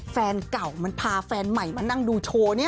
แฟนเก่ามันพาแฟนใหม่มานั่งดูโชว์นี้